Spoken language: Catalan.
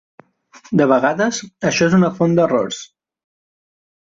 De vegades això és una font d'errors.